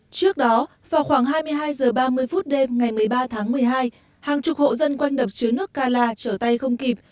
trước đó vào khoảng hai mươi hai h ba mươi phút đêm ngày một mươi ba tháng một mươi hai hàng chục hộ dân quanh đập chứa nước cala trở tay không kịp